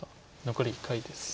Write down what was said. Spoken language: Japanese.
残り１回です。